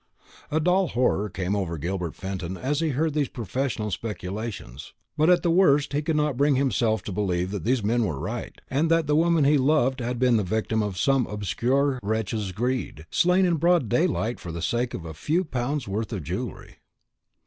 A dull horror came over Gilbert Fenton as he heard these professional speculations, but at the worst he could not bring himself to believe that these men were right, and that the woman he loved had been the victim of some obscure wretch's greed, slain in broad daylight for the sake of a few pounds' worth of jewelry.